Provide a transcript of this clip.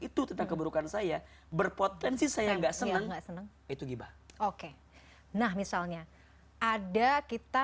itu tentang keburukan saya berpotensi saya nggak seneng seneng itu giba oke nah misalnya ada kita